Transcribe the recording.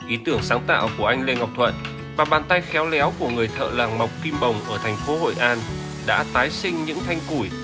ý tưởng sáng tạo của anh lê ngọc thuận và bàn tay khéo léo của người thợ làng mọc kim bồng ở thành phố hội an đã tái sinh những thanh củi